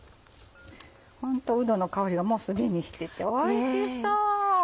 ホントうどの香りがもうすでにしてておいしそう！